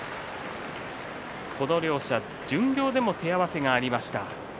この両者は巡業でも手合わせがありました。